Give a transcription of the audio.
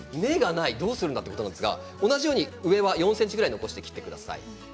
どうするんだということですが同じように上は４ｃｍぐらい残して切ってください。